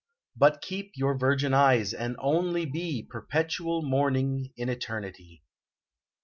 But keep your virgin eyes and only be Perpetual Morning in Eternity